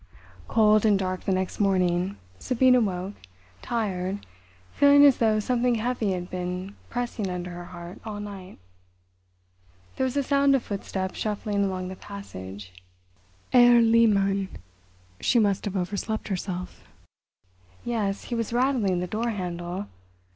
Cold and dark the next morning. Sabina woke, tired, feeling as though something heavy had been pressing under her heart all night. There was a sound of footsteps shuffling along the passage. Herr Lehmann! She must have overslept herself. Yes, he was rattling the door handle.